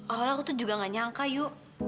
awalnya aku tuh juga gak nyangka yuk